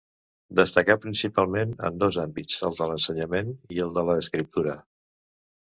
Destacà principalment en dos àmbits: el de l'ensenyament i el de l'escriptura.